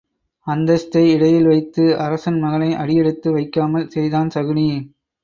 அந்தஸ்தை இடையில் வைத்து அரசன் மகனை அடி யெடுத்து வைக்காமல் செய்தான் சகுனி.